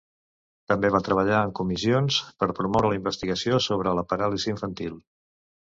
També va treballar en comissions per promoure la investigació sobre la paràlisi infantil.